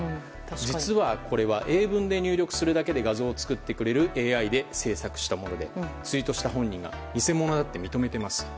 実は、これは英文で入力するだけで画像を作ってくれるＡＩで制作したものでツイートした本人は偽物だと認めています。